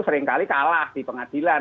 seringkali kalah di pengadilan